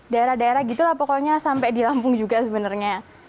daerah daerah gitu lah pokoknya sampai di lampung juga sebenarnya